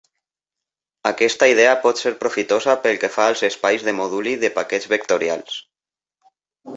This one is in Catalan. Aquesta idea pot ser profitosa pel que fa als espais de moduli de paquets vectorials.